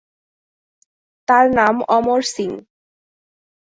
তার নাম অমর সিং।